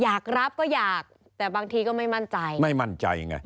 อยากรับก็อยากแต่บางทีก็ไม่มั่นใจ